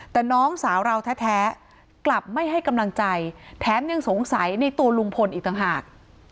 แต่น้องสาวเราแท้กลับไม่ให้กำลังใจแถมยังสงสัยในตัวลุงพลอีกต่างหาก